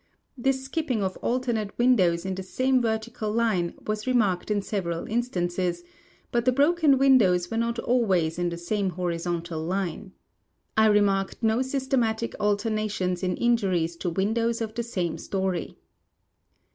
This skipping of alternate windows in the same verti cal line was remarked in several instances, but the broken win dows were not always in the same horizontal line. I remarked no .s\''stematic alternations in injuries to windows of the same stoiy.